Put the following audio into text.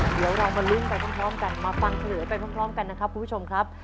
เดี๋ยวเรามาลุ้นไปพร้อมกันมาฟังเฉลยไปพร้อมกันนะครับคุณผู้ชมครับ